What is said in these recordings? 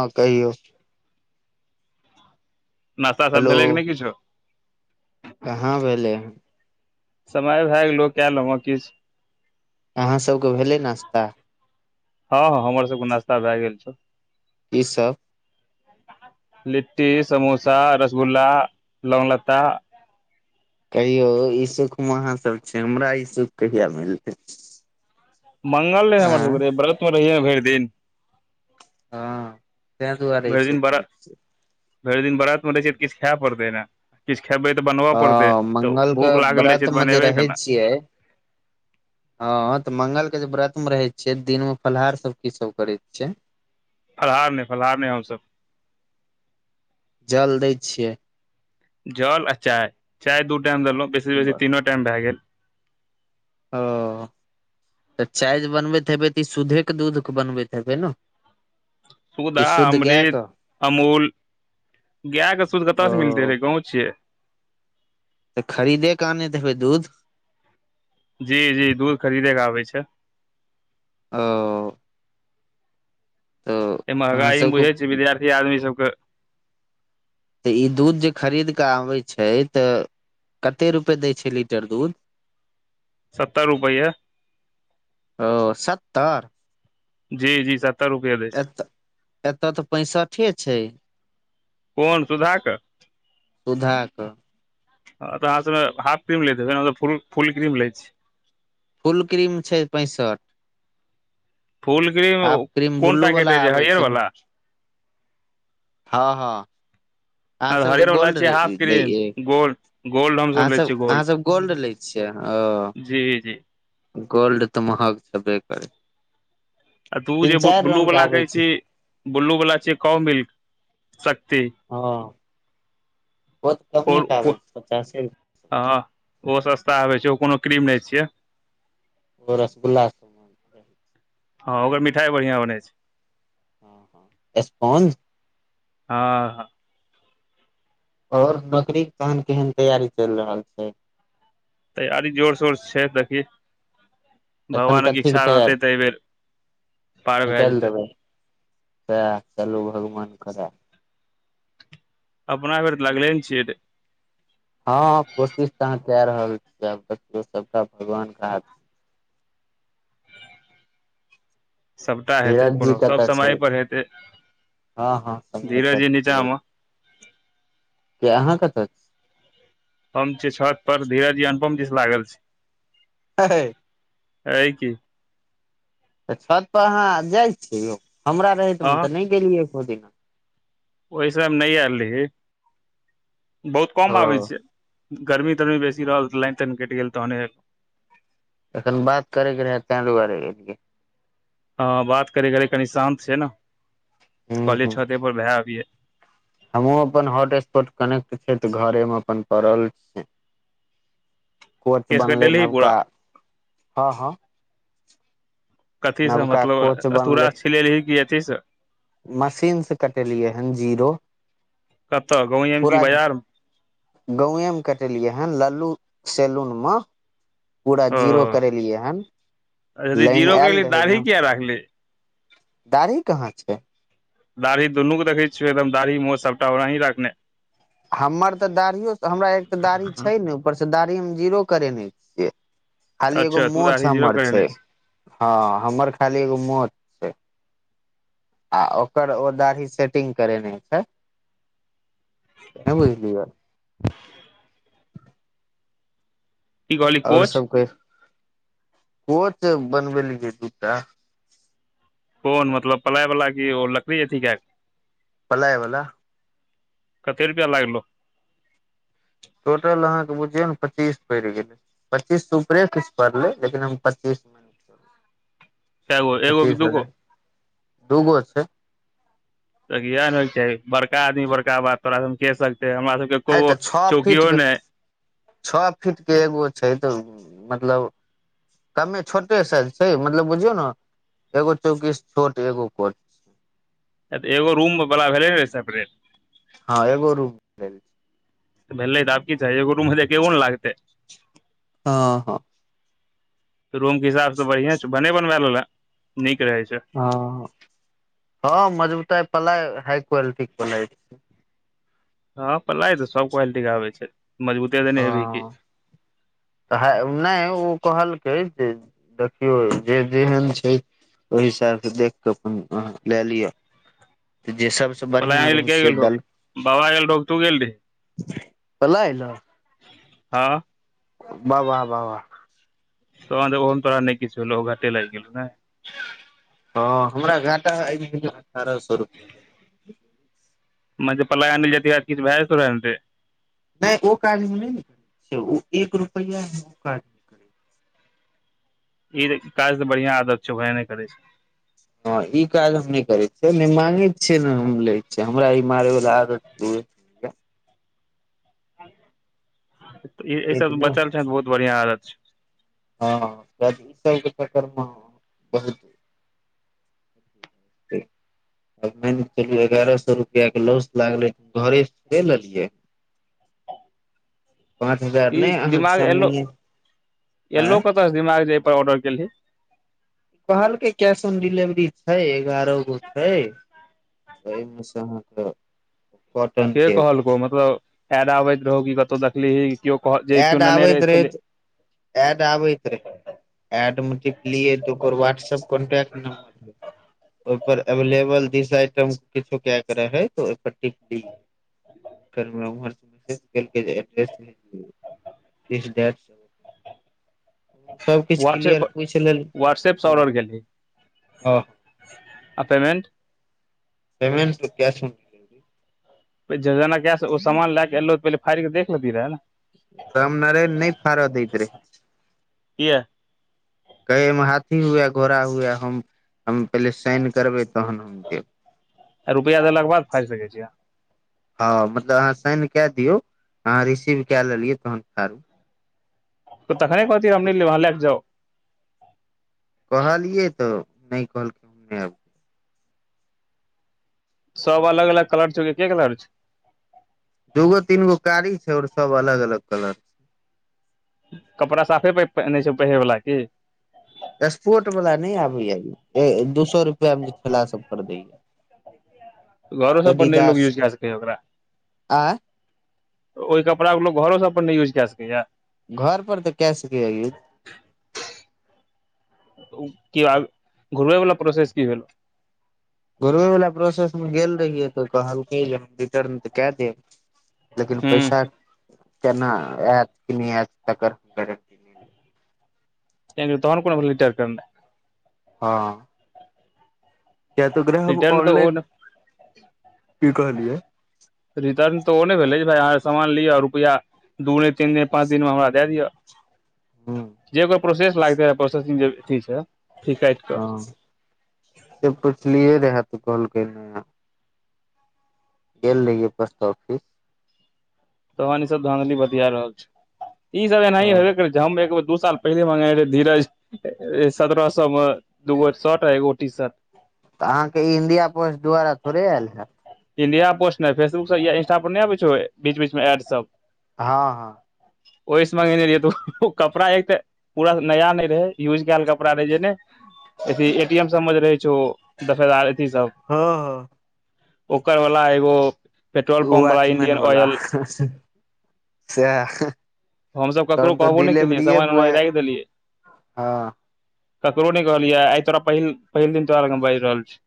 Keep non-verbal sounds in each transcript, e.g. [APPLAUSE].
हँ कहियौ नाश्ता सब हेलो भेलै कि नहि किछो कहाँ भेलै हं समय भए गेलौ कयऽ लेबऽ किछु अहाँसभके भेलै नश्ता हँ हँ हमर सबके नास्ता भए गेल छ कि सब लिट्टी समोसा रसगुल्ला लौंग लत्ता कहियौ ई सुखमे अहाँ सब छै हमरा ई सुख कहिया मिलतै मंगल रहै हमर आँय सबके रहे व्रत मे रहिये भरि दिन हँ तय दुआरे भरि ई दिन व्र सुखम छै भरि दिन बरतमे रहै छै तऽ किछु खायए पड़तै ने किछु खेबै तऽ बनबऽ पड़तै हँ तऽ मंगल के भूख लागल रहै छै व्रत तऽ मे बनेबै केना [UNINTELLIGIBLE] [UNINTELLIGIBLE] [INAUDIBLE] हँ तऽ मंगल के जे व्रत मे रहे छियै दिन मे फलाहार सब की सब करै छिय फलाहार नहि फलाहार नहि हमस जल दै छियै जल आ चाय चाय दू टाइम देलहुं बेसी से बेसी तीनो टाइम भए गेल ओ तऽ चाय जे बनबैत हेबै तऽ ई सुूधेके दूध के बनबैत हेबै ने सुधा कि शुद्ध गाय अमृत के अमूल गायके शुद्ध ओ कतऽसँ मिलते रहै गाँव छियै तऽ खरीदे क आनैत हेबै दूध जी जी दूध खरीदे के आबै छै ओ तऽ इ अहाँ महगाई में बुझै छै सबके विद्यारथी आदमी सब के तऽ ई दूध जे खरीद कऽ आबैत छै तऽ कते रुपे दै छै लीटर दूध सत्तर रुपैये ओ सत्तर जी जी सर एतऽ एतऽ तऽ पैंसठे छै कोन सुधा क सुध कऽ ह तऽ अहाँ सब हाफ क्रीम लैत हेबय ने हम सब फुल क्रीम ले छी फुल क्रीम छै पैंसठि फुल क्रीम हाफ क्रीम कोन बुलु पैकेट वला रहै आबै हरियर छै ने वाला हँ हँ अहाँ सबके [UNINTELLIGIBLE] गोल्ड छ हाफ दै क्रीम यै? गोल्ड गोल्ड हमस अहाँ लै सब छियै अहाँ सब लै छियै गोल्ड ओ जी जी जी गोल्ड तऽ महग हेबे करे आ तू जे बु्लू के वला आबै कहै छै छी बु्लू वला छियै कउ मिल्क शक्ति हँ ओ तऽ और कमेके आबै छै पचासे र हँ ओ सस्ता आबै छै ओ कोनो क्रीम नहि छियै ओ रसगुल्ला हँ ओकर मिठाइ बढ़िआं बनै छै [INAUDIBLE] एसपोन्ज हँ हँ और नौकरी के केहन तैयारी चलि रहल छै तैयारी जोर शोर छै देखी एखन भगवान के कथी इच्छा तैयारी रहतै तऽ एहि बेेर पार भए निकालि जेतै देबै सएह चलू भगवान करै अपना भर तऽ लगले ने छियै तऽ हँ कोशिश त अहाँ कय रहल छी आ देखिय सबटा भगवान के हाथ सबटा हेतै धीरज जी कोनो सब कतऽ छै समय पर हेतै हँ हँ समय पर धीरेजी नीचा में किया अहाँ कत हम छी छत पर धीरजजी अनुपम जी स लागल छै हहय हइ की तऽ छतपर अहाँ जाइ छियै यौ हमरा रहैतमे अहाँ तऽ नहि गेलियै एको दिना ओहि समय में नै आयल रही बहुत कम आबै ओ छै गर्मी तरमी बेसी रहल तऽ लाइन ताइन कटि गेल तहने एखन बात करे के रहे तें दुआरे एलिये ह बात करे घरी कनी शान्त छै न हूँ कहलिये कनी हूँ छते पर भए अबिये हमहुँ अपन हॉटस्पॉट कनेक्ट छै तऽ घरे में अपन पड़ल छी कोच केश बनलै कटेलही पूरा नबका हँ हँ कथी से नवका मतलब कोच स्तूरा बनलै स छिलेलही की अथी से मशीन से कटेलियै हन जीरो कतऽ गाँवमे की बाजार में गांवेए मे कटेलियै हन लल्लू सैलून में पूरा ओ जीरो करेलियै हन लाइन आयल रहै ने राहिले दाढ़ी कहाँ छै दाढ़ी दुनू के देखै छियै एकदम दाढ़ी मोछ सबटा ओनाही रखने हमर त दाढ़ियो हमरा एक तऽ दाढ़ी छै ने ऊपर से दाढ़ी हम जीरो करेने छियै खाली एगो अच्छा तू मोछ दाढ़ी जीरो हमर करेने छै छी हँ हमर खाली एगो मोछ छै आ ओकर ओ दाढ़ी सेटिंग करेने छै नहि बुझलियै की कहली ओर कोच सबके कोच बनबेलीये दूटा कोन मतलब पलायवला की ओ लकड़ी अथी कए पलायवला कते रुपया लागलो टोटल अहाँके बुझियौ ने पच्चीस पड़ि गेलै पच्चीस ऊपरे किछु पड़लै लेकिन हम पच्चीस कैगो एगो की पच्चीस दूगो हजार दूगो छै त इए ने होइ के चाही बड़का आदमी बड़का बात तोरा सब में के सकतेै हमरा सब एको गो चौकीओ न छ फीट के एगो छै तऽ मतलब कमे छोटे साइज छै मतलब बुझियौ ने एगो चौकीस छोट एगो कोट एगो रूम बला भेलै ने सेपरेट हँ एगो रूम भेल भेलय त आबकी चाही एगो रुम में एके गो न लागतै हं ह रूम के हिसाब सऽ बढ़िया छै भने बनवा लेलऽ नीक रहे छै हँ हँ मजबुताइ पलाइ हाई क्वालिटी के हँ पलाय त सब क्वालिटी के आबै छै मजबूते देने हेबही कि त नै ओ कहलकै जे देखियौ जे जेहन छै ओहि हिसाबसँ देख कऽ अपन अ लए लिअ जे सब छ पलाय बढ़िआ आनै ले रहै के से गेल रहो दल बाबा गेल रहो कि तू गेल रही पलायऽ हँ वाह वाह वाह वाह तहन ओहोमे तोरा नै किछ भेलौ ओ घाटे लागि गेलौ ने हँ हमरा घाटा अठारह सए रुपआ म जे पलाय आनलिये तहिया स किछ भए नहि ओ काज हम नहि ने करै छियै ओ एक रुपैया ओ काज करै ई काज तऽ बढ़ियां आदत छौभाय ने करे छै हँ ई काज हम नै करै छियै नहि मागे छियै ने हम लै छियै हमरा ई मारै वाला आदत एहि सब स बचल छैऽ बहुत बढ़ियां आदत छ हँ त ई सबके चक्कर में बहुत आब मान कऽ चलू एगारह सए रुपआ के लॉस लागलै घरे स ल लेलिय पाँच हजार ई नहि अहाँके दिमाग एल्लो सामनेये आँय एल्लो कत स दिमाग जे एहिपर ऑर्डर केलही कहलकै कैश ऑन डिलिवरी छै एगारह गो छै एहिमे से अहाँके कट के कहलकौ मतलब ऐड आबैत रहौ कि कतहु देखलीही केओ कह जे केओ एड नेने रहैे आबैत से रहै पहले एड आबै रहे एड मे टिपलियै त ओकर वाट्सप कॉंटैक्ट नंबर ओहि पर एवलेबल दिस आइटम किछो के के रहे त ओहि पर टिप दिय [INAUDIBLE] दिस दैट व्हाट्सऐप व्हाट्सऐपस हँ ऑर्डर केलही हँ आ पेमेन्ट पेमेन्ट त कैश डिलेवरी ओ सामान लएके एलौ तऽ पहिले फाड़िक के देख लेती रहै ने राम नारायण नहि फारअ दैत रहए किए कहैमे हाथी हुए घोड़ा हुएै हम हम पहिले साइन करबै तहन हम देब आ रुपआ देलाके बाद फाईड़ सकय छियै हँ मतलब अहाँ साइन कए दियौ अहाँ रिसीव क लेलियैतहन फाड़ू तऽ तखने कहतीही हम नै लेब अहाँ लए क जाउ कहलियै तऽ नहि कहलकै हम सब अलग अलग कलर छ कि एके कलर छ दूगो तीनगो कारी छै और सब अलग अलग कलर कपड़ा साफे प नहि छै पहिरे बला की स्पोर्ट वला नहि आबै या दू सए रुपआ मे जे ठेला सब पर दैय या घरो सब पर नै लोक जा सकै ह ओकरा आ ओहि कपड़ा के लोक घरो सब पर नै यूज कए सकैयऽ घर पर तऽ कय सकै यूज कि आब घुरबै वाला प्रोसेस की भेल घुड़बै वला प्रोसेस में गेल रहियै तऽ कहलकै जे हम रिटर्न तऽ कए देब लेकिन हूं पैसा केना आयत कि नहि आयत तकर नहि ऐं रे तोहन कोना भेलय रिटाएर करनाय हँ किया तऽ ओकरे हम रिटर्न तऽ ओ ऑनलाइन की कहलियए रिटर्न तऽ ओ नहि भेलै भाइ अहाँ सामान लिअ रुपया दूने तीनने पाँच दिन मे हमरा दए दिअ जे ओकर प्रोसेस लागते रहे प्रोसेसिंग जे अथी छै से काईट हँ से पुछलियै रहय तऽ कहलकय नऽ गेल रहिये पोस्ट ऑफिस तहन ई सब धांधली बतिया रहल छै ई सब एनाही तऽ हेबे कर छै हम एक बेर दू साल पहिले मंगे रहे धीरज सत्ररह सए मे दूगो शऽट एगो टीसट तऽ अहाँके ई इंडिया पोस्ट द्वारा थोड़े आयल हैत इंडिया पोस्ट नहि फेसबुक सब या इंस्टा पर नहि आबै छौ बीच बीचमे एडसभ हँ हँ ओहिस मंगेने रहिये तू कपड़ा एक त पूरा नया नहि रहै यूज कयल कपड़ा रह जे ने अथ ए टी एम सब मे जे रहै छौ दफेदार अथी सब हँ हँ ओकर वला एगो पेट्रोल उ पंप वाला वाचमैन इंडियन वला ऑयल सएह हमसभ ककरो तहन तऽ कहबो नहि केलियै डिलेवरिए समामान ओनाहि बॉय राखि देलियै हँ ककरो नहि कहलिय आइ तोरा पहिल पहिल दिन तोरा लग बाजि रहल छी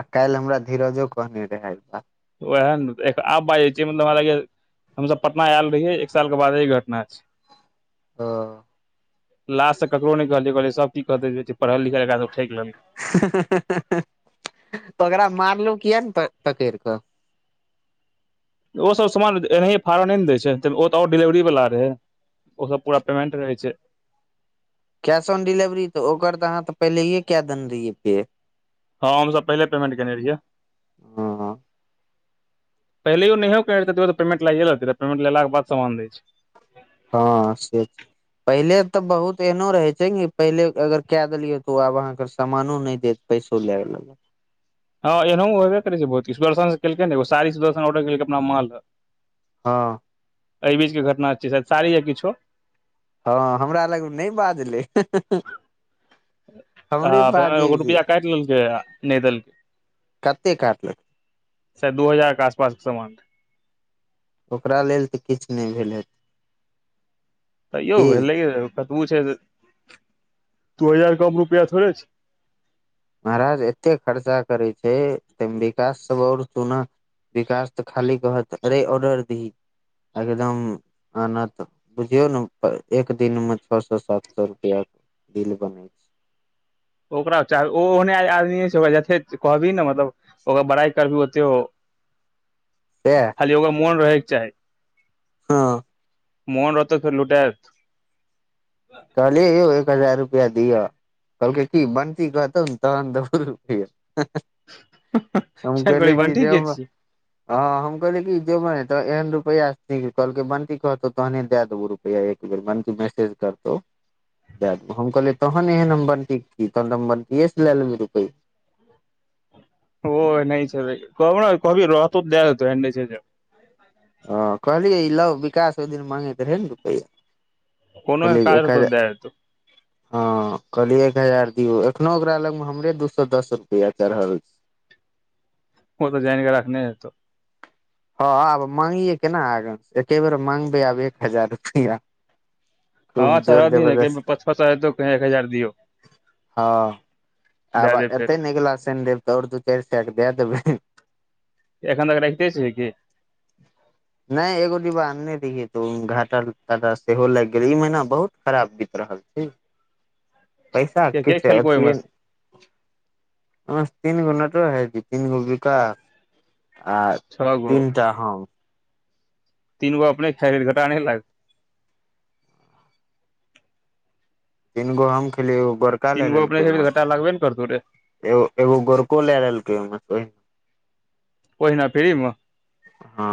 आ काल्हि हमरा धीरजो कहने रहै ई बात ओह आब बाजै छी मतलब हमरा लाग हम सब पटना आयल रहियै एक साल के बाद घट ना छै हँ लाज से ककरो नहि कहलिये कहलिये सब की कहते जे पढ़ल लिखल एकरा सब ठईक लेलकय ह ह ह ह ओकरा मारलहु किया ने पकड़ि कऽ ओसभ समान एनाहिए फाड़ऽ नै ने दै छै ओ तऽ आओर डिलेवरीवला रहै ओ सब पूरा पेमेंट रहै छै कैश ऑन डिलिवरी तऽ ओकर तऽ अहाँ तऽ पहिलेए कए दने रहियै पे हँ हमसब पहिले पेमेंट केने रहियै हँ पहिलयो नहियो करतीये तइयो त पेमेंट लईये लैत रहय पेमेंट लेला के बाद समान दय छै हँ से पहिले तऽ बहुत एहनो रहे छै ने पहिले अगर क देलियै तऽ ओ आब अहाँके सामानो नहि देत पै सुल [UNINTELLIGIBLE] हँ एनो होेबे करै छै बहुत सुदर्शन केलकैरी सुदर्शनर्रेलक अपना माल ले हँ एहि बीच के घटना छै साड़ी या किछो हँ हमरा लग नहि बाजले ह हमरे त बाजे एगो रुपआ काटि लेलकै नहि देलकै [UNINTELLIGIBLE] कतेक काटलक से दू हजार के आसपास के सामान ओकरा लेल तऽ किछु नहि भेल तैयो की भेलै कतबो छै दू हजार कम रुपआ थोड़े छै महाराज एते खर्चा करै छै त विकास सब और चूना विकास तऽ खाली कहत अरे ऑर्डर दही एकदम हना तऽ बुझियौ ने एक दिन मे छओ सए सात सए रुपआ बिल बनै छै ओकरा चाह ओहने आदमी छै ओकरा जथे कहबिही ने मतलब ओकर बड़ाई कर भी होत हो [UNINTELLIGIBLE] पे खाली यगो मोन रहैके चाही हँ मोहन रहत त लुटैत कहले यौ एक हजार रुपआ दिअ कहलकै की बंटी कहतौ ने तहन दे हम कियान कहलियै कहलैय की बंटी के जेब छी हँ हम कहलियै कि जो एहन रुपैआ कहलकै बंटी कहतौ तहने दए देबौ रुप या एक बेर बंटी मैसेज कर त दए दे हम कहलियै तहन एहन नमबरीक छी तहन हम बटीय से लए लेबै रुपैआ ओ न छै कह कभी रतो द देत एड छै जे हँ कहलियै ई लौ विकास ओहि दिन मंगैत रहै ने रुपैआ [INAUDIBLE] कोनो एहन हँ काज रहतौ दए देतौ कहलियै एक हजार दियौ एखनो ओकरा लगमे हमरे दू सए दस रुपया चढ़ल छै ओ तऽ जानिक रखने हेतो हँ आब माँगिय केना आग एके बेर माँंगबै आब एक हजार रुपैआ खूब हँ जोर चरा रह दी ने जबरदस्त पच पचतौ एक हजार दियौ हँ दए आब देब एतै फेरो ने गेला शनि देेव तऽ ओर दू चारि साट दए देबै एखन तक राखिते छै की ह नै एगो डिब्बा आनने रहियै तऽ ओ घाटा ताटा सेहो लागि गेलै ई महीना बहुत खराब बीत रहल ठीक [UNINTELLIGIBLE] पैसा आ के छै खेलको अभी ओहिमे सँ तीन गुना तो ह तीन गोबिका छ गो त हँ तीनगो अपने खै घाटा नहि लाग तीन गो हम खेलिय उ तीन गो अपने खब तऽ घटा लगबे ने करतौ रे एगो एगो गोरको लए लेलकै ओ ओहि ओहिना फ्रीम हँ